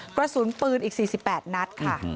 กระสุนปืนอีก๔๘นัดค่ะ